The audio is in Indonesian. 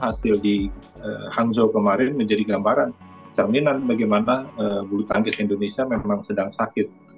hasil di hangzhou kemarin menjadi gambaran cerminan bagaimana bulu tangkis indonesia memang sedang sakit